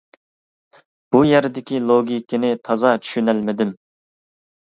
بۇ يەردىكى لوگىكىنى تازا چۈشىنەلمىدىم.